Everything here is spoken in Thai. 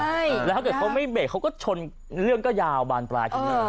ใช่แล้วถ้าเกิดเขาไม่เบรกเขาก็ชนเรื่องก็ยาวบานปลายขึ้นมา